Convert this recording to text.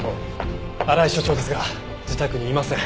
新井所長ですが自宅にいません。